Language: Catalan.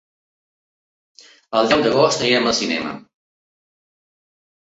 El deu d'agost irem al cinema.